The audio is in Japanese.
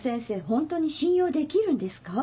ホントに信用できるんですか？